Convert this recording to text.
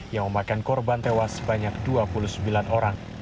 yang memakan korban tewas sebanyak dua puluh sembilan orang